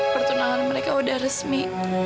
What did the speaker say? pertunangan mereka udah resmi